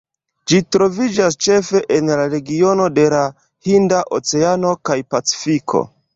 Ĝi troviĝas ĉefe en la regiono de la Hinda oceano kaj Pacifiko.